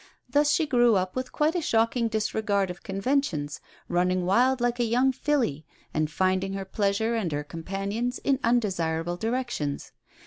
Thus she grew up with quite a shocking disregard of conventions, running wild like a young filly, and finding her pleasure and her companions in undesirable directions.